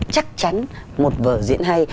chắc chắn một vở diễn hay